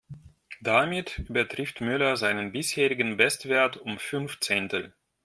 Damit übertrifft Müller seinen bisherigen Bestwert um fünf Zehntel.